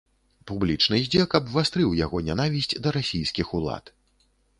Публічны здзек абвастрыў яго нянавісць да расійскіх улад.